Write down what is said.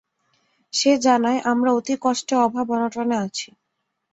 সে জানায়, আমরা অতি কষ্টে, অভাব-অনটনে আছি।